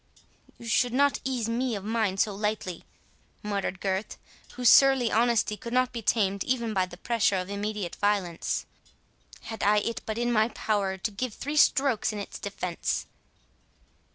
"You should not ease me of mine so lightly," muttered Gurth, whose surly honesty could not be tamed even by the pressure of immediate violence,—"had I it but in my power to give three strokes in its defence."